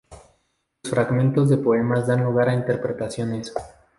Los fragmentos de poemas dan lugar a interpretaciones.